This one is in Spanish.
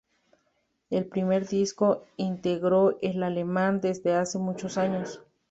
El primer disco íntegro en alemán desde hacía muchos años.